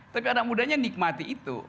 tapi anak mudanya nikmati itu